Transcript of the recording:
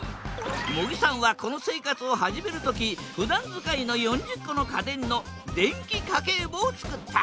茂木さんはこの生活を始める時ふだん使いの４０個の家電の電気家計簿を作った。